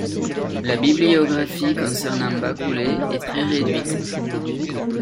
La bibliographie concernant Bakule est très réduite.